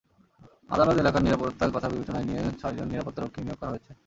আদালত এলাকার নিরাপত্তার কথা বিবেচনায় নিয়ে ছয়জন নিরাপত্তারক্ষী নিয়োগ করা হয়েছে।